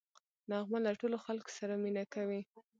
نغمه له ټولو خلکو سره مینه کوي